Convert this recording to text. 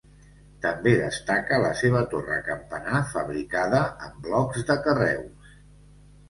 També destaca la seva torre campanar fabricada amb blocs de carreus.